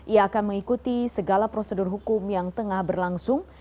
ia akan mengikuti segala prosedur hukum yang tengah berlangsung